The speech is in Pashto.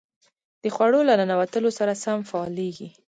د خوړو له ننوتلو سره سم فعالېږي.